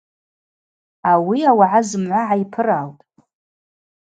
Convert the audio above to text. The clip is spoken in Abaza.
Ауи ауагӏа зымгӏва гӏайпыралтӏ.